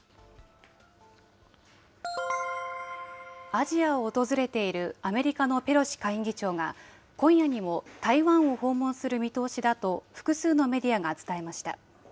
アジアを訪れているアメリカのペロシ下院議長が、今夜にも台湾を訪問する見通しだと複数のメディアが伝えました。